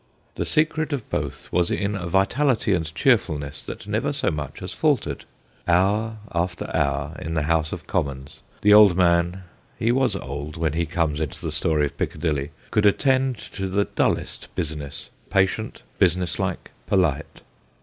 The secret of both was in a vitality and cheerfulness that never so much as faltered. Hour after hour in the House of Commons the old man he was old when he comes into the story of Piccadilly could attend to the dullest business, patient, business like, polite.